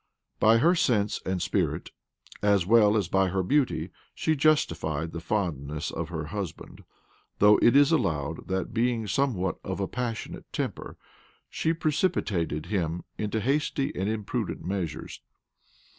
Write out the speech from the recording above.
By her sense and spirit, as well as by her beauty, she justified the fondness of her husband; though it is allowed that, being somewhat of a passionate temper, she precipitated him into hasty and imprudent measures.